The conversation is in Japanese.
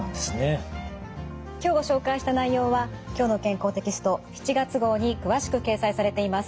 今日ご紹介した内容は「きょうの健康」テキスト７月号に詳しく掲載されています。